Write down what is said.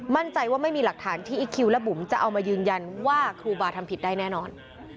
มั่นใจว่าไม่มีหลักฐานที่อีคิวและบุ๋มจะเอามายืนยันว่าครูบาทำผิดได้แน่นอน